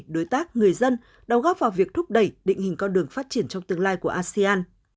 đối tác người dân đóng góp vào việc thúc đẩy định hình con đường phát triển trong tương lai của asean